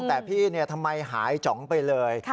แต่พี่ทำไมหายจ๋องไปเลย